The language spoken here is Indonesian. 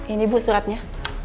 ini bu suratnya